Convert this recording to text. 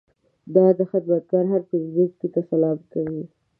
دا خدمتګر هر پیرودونکي ته سلام کوي.